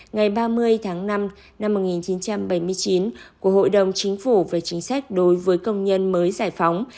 ngày ba mươi tháng năm năm một nghìn chín trăm bảy mươi chín của hội đồng chính phủ về chính sách đối với công nhân mới giải phóng